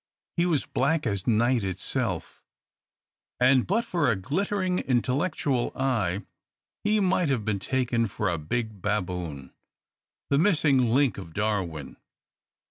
He was black as night itself; and but for a glittering, intellectual eye, he might have been taken for a big baboon, the missing link of Darwin.